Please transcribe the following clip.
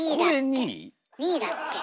２位だって。